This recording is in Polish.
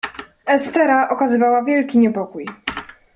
"Estera okazywała wielki niepokój."